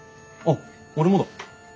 あっ俺もだ。